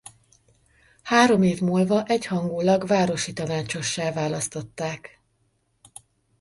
Három év múlva egyhangúlag városi tanácsossá választották.